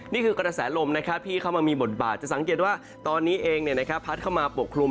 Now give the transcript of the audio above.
นี่คือกระแสลมที่เข้ามามีบทบาทจะสังเกตว่าตอนนี้เองพัดเข้ามาปกคลุม